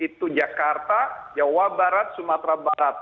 itu jakarta jawa barat sumatera barat